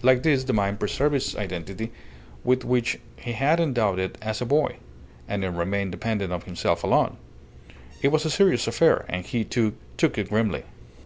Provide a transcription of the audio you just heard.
Like this the mine preserved its identity, with which he had endowed it as a boy; and it remained dependent on himself alone. It was a serious affair, and he, too, took it grimly.